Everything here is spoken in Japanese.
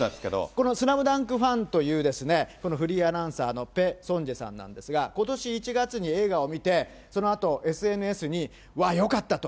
このスラムダンクファンというですね、このフリーアナウンサーのぺ・ソンジェさんなんですが、ことし１月に映画を見て、そのあと、ＳＮＳに、よかったと。